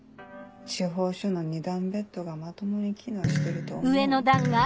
地方署の２段ベッドがまともに機能してると思う？